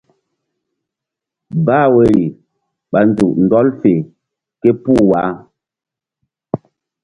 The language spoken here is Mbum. Bah woyri ɓa nzuk ɗɔl fe képuh wah.